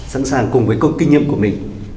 sẵn sàng cùng với câu kinh nghiệm của mình